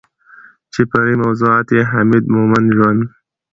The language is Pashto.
چې فرعي موضوعات يې حميد مومند ژوند